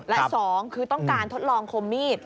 และสองคือต้องการทดลองคมมีด